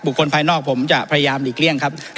บุคคลภายนอกผมจะพยายามหลีกเลี่ยงครับครับครับ